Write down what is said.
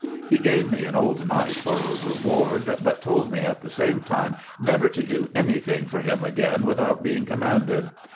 He gave me an old knife for a reward, but told me at the same time never to do anything for him again without being commanded.